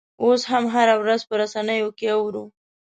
اوس هم هره ورځ په رسنیو کې اورو.